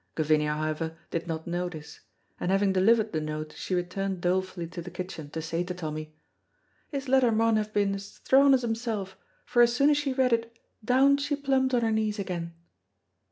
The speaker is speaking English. Gavinia, however, did not knew this, and having delivered the note she returned dolefully to the kitchen to say to Tommy, "His letter maun have been as thraun as himsel', for as soon as she read it, down she plumped on her knees again."